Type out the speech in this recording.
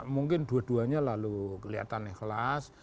mungkin dua duanya lalu kelihatan ikhlas